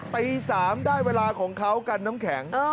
ตี๓ได้เวลาของเขากันน้ำแข็ง